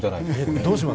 どうします？